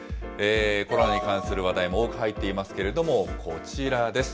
コロナに関する話題も多く入っていますけれども、こちらです。